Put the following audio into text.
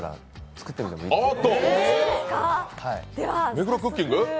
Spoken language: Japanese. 目黒クッキング！？